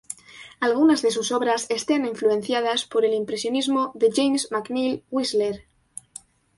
Algunas de sus obras están influenciadas por el impresionismo de James McNeill Whistler.